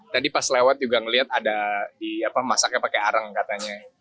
tadi pas lewat juga ngeliat ada di masaknya pakai arang katanya